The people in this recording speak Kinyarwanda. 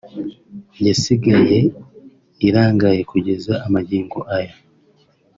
yasigaye irangaye kugeza magingo aya